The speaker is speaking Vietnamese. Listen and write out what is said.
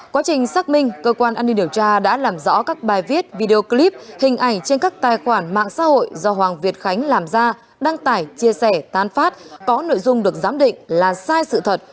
quá trình xác minh cơ quan an ninh điều tra đã làm rõ các bài viết video clip hình ảnh trên các tài khoản mạng xã hội do hoàng việt khánh làm ra đăng tải chia sẻ tán phát có nội dung được giám định là sai sự thật